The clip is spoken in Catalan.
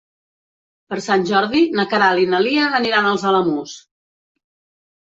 Per Sant Jordi na Queralt i na Lia aniran als Alamús.